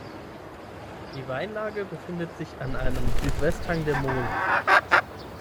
Die Weinlage befindet sich an einem Südwesthang der Mosel.